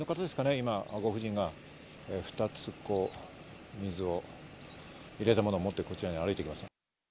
今、ご婦人が２つ水を入れたものを持って、こちらに歩いてきました。